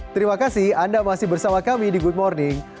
terima kasih anda masih bersama kami di good morning